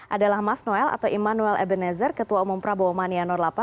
adalah mas noel atau immanuel ebenezer ketua umum prabowo mania norlapa